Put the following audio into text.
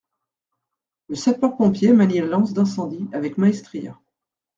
Le sapeur-pompier manie la lance d’incendie avec maestria.